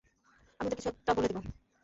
আমি ওদের কিছু একটা বলে দিবো।